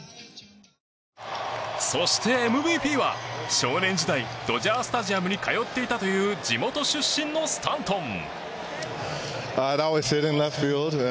そして、ＭＶＰは少年時代ドジャースタジアムに通っていたという地元出身のスタントン。